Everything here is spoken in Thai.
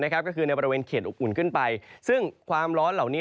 ก็คือในบริเวณเขตอบอุ่นขึ้นไปซึ่งความร้อนเหล่านี้